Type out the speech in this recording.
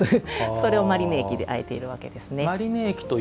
それをマリネ液であえているわけですね。